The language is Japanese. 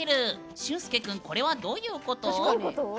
しゅんすけ君これはどういうこと？